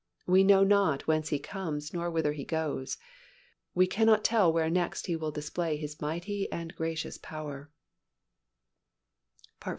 We know not whence He comes nor whither He goes. We cannot tell where next He will display His mighty and gracious power.